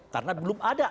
karena belum ada